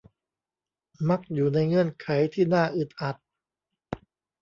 มักอยู่ในเงื่อนไขที่น่าอึดอัด